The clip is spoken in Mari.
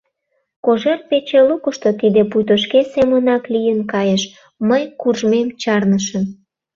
Кожер пече лукышто тиде пуйто шке семынак лийын кайыш: мый куржмем чарнышым.